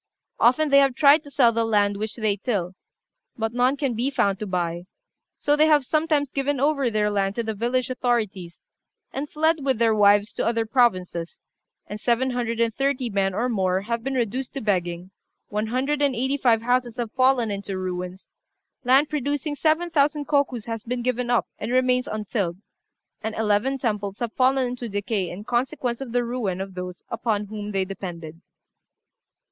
Often they have tried to sell the land which they till, but none can be found to buy; so they have sometimes given over their land to the village authorities, and fled with their wives to other provinces, and seven hundred and thirty men or more have been reduced to begging, one hundred and eighty five houses have fallen into ruins; land producing seven thousand kokus has been given up, and remains untilled, and eleven temples have fallen into decay in consequence of the ruin of those upon whom they depended.